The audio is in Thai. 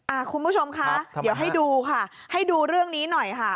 คุณผู้ชมคะเดี๋ยวให้ดูค่ะให้ดูเรื่องนี้หน่อยค่ะ